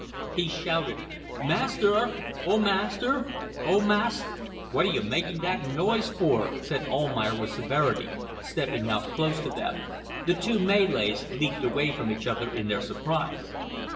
He shouted "Master! O master! O mast ..." "What are you making that noise for?" said Almayer, with severity, stepping out close to them. The two Malays leaped away from each other in their surprise.